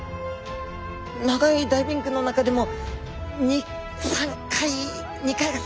長いダイビングの中でも２３回２回か３回目ですね。